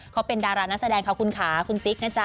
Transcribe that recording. เขาเป็นดารานักแสดงค่ะคุณค่ะคุณติ๊กนะจ๊